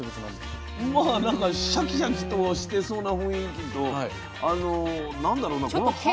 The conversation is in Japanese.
まあなんかシャキシャキとはしてそうな雰囲気とあの何だろうな。